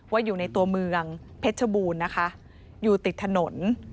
อยู่ในตัวเมืองเพชรชบูรณ์นะคะอยู่ติดถนน